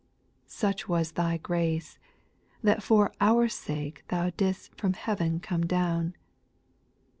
2. Such was Thy grace, that for our sake Thou did'st from heav'n come down.